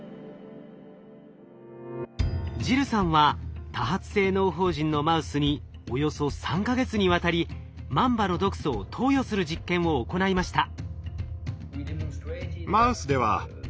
ジルさんは多発性嚢胞腎のマウスにおよそ３か月にわたりマンバの毒素を投与する実験を行いました。